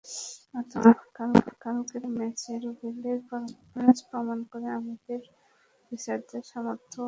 অথচ কালকের ম্যাচে রুবেলের পারফরম্যান্স প্রমাণ করে, আমাদের পেসারদের সামর্থ্যও অনেক বেড়েছে।